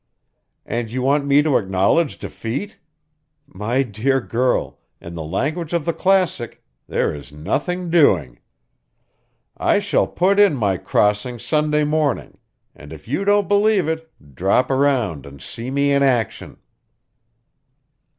And you want me to acknowledge defeat! My dear girl, in the language of the classic, there is nothing doing. I shall put in my crossing Sunday morning, and if you don't believe it, drop around and see me in action."